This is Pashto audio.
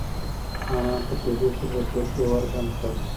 انا په تېزۍ سره د کوټې ور بند کړ.